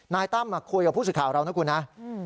นายตั้มมาคุยกับผู้สิทธิ์ข่าวเรานะครับ